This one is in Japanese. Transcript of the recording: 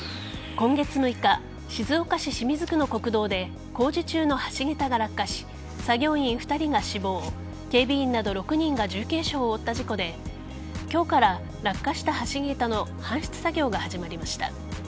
今月６日静岡市清水区の国道で工事中の橋げたが落下し作業員２人が死亡警備員など６人が重軽傷を負った事故で今日から落下した橋げたの搬出作業が始まりました。